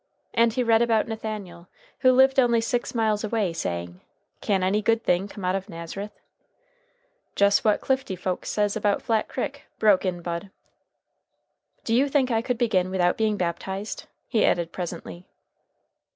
And he read about Nathanael, who lived only six miles away, saying, 'Can any good thing come out of Nazareth?'" "Jus' what Clifty folks says about Flat Crick," broke in Bud. "Do you think I could begin without being baptized?" he added presently.